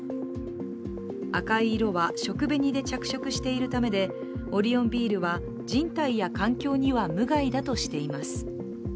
赤い色は食紅で着色しているためでオリオンビールは人体や環境には無害だとしています。